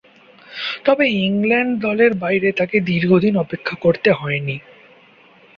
তবে, ইংল্যান্ড দলের বাইরে তাকে দীর্ঘদিন অপেক্ষা করতে হয়নি।